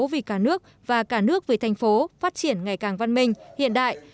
vì cả nước và cả nước vì thành phố phát triển ngày càng văn minh hiện đại